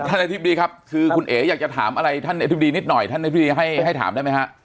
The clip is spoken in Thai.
ท่านท่านครับคือคุณเอกอยากจะถามอะไรท่านนิดหน่อยท่านให้ให้ถามได้ไหมฮะ